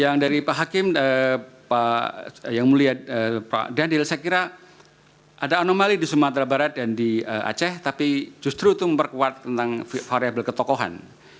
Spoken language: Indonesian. yang dari pak hakim yang mulia pak daniel saya kira ada anomali di sumatera barat dan di aceh tapi justru itu memperkuat tentang variable ketokohan